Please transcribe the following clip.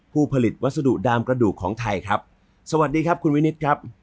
ผู้ผลิตวัสดุดามกระดูกของไทยครับสวัสดีครับคุณวินิตครับ